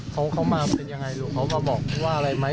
เขาเขามาเป็นยังไงลูกเขามาบอกว่าอะไรไหม